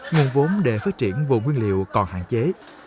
nguồn vốn để phát triển vùng nguyên liệu còn hạn chế